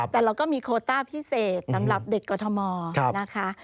แต่เราก็มีโคต้าพิเศษสำหรับเด็กกรทมนะคะ